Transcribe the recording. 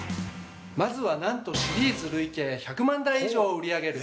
◆まずは、なんとシリーズ累計１００万台以上売り上げる